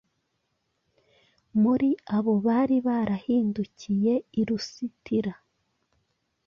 Muri abo bari barahindukiye i Lusitira,